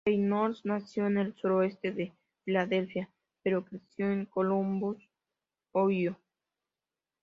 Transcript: Reynolds nació en el Suroeste de Filadelfia pero creció en Columbus, Ohio.